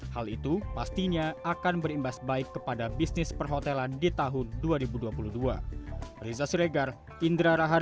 hal itu pastinya akan berimbas baik kepada bisnis perhotelan di tahun dua ribu dua puluh dua